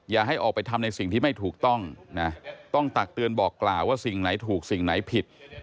อย่าให้ออกไปทำในสิ่งที่ไม่ถูกต้องนะต้องตักเตือนบอกกล่าวว่าสิ่งไหนถูกสิ่งไหนผิด